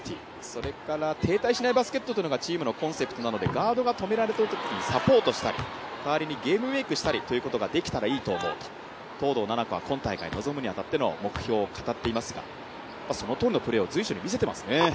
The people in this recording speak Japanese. それから停滞しないバスケットというのがチームのコンセプトなのでガードが止められているときにサポートしたり、代わりにゲームメークしたりができたらいいと思うと東藤なな子は今大会臨むに当たっての目標を掲げていますがそのとおりのプレーを随所で見せていますね。